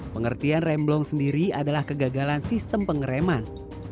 pengertian remblong sendiri adalah kegagalan sistem pengereman